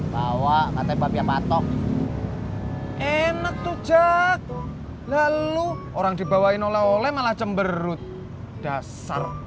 bawa katanya papi apa tok enak tuh jack lalu orang dibawain oleh oleh malah cemberut dasar